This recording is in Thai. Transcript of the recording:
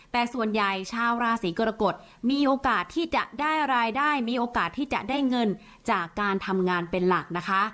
แต่ส่วนใหญ่ชาวราศีกรกฎมีโอกาสที่จะได้รายได้มีโอกาสที่จะได้เงินจากการทำงานเป็นหลักนะคะ